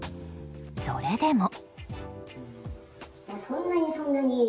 それでも。